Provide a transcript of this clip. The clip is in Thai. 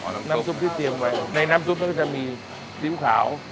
อ๋อน้ำซุปน้ำซุปที่เตรียมไว้ในน้ำซุปก็จะมีลิ้วขาว